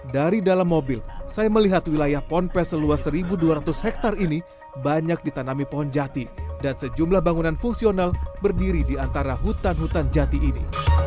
dari dalam mobil saya melihat wilayah pompes seluas satu dua ratus hektare ini banyak ditanami pohon jati dan sejumlah bangunan fungsional berdiri di antara hutan hutan jati ini